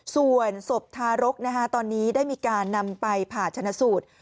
ส่วนศพทารกตอนนี้ได้มีการนำไปผ่าชนะสูตร